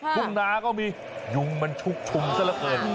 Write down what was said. ทุกหน้าก็มียุ่งมันชุดชุมซะประเกิด